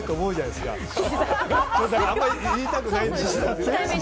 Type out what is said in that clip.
あまり言いたくないんですよ。